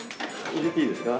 入れていいですか？